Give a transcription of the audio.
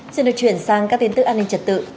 xin được chuyển sang các tin tức an ninh trật tự